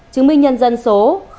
chứng minh nhân dân số